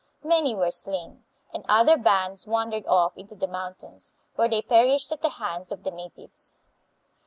Many were slain, and other bands wandered off into the mountains, where they perished at the hands of the na tives.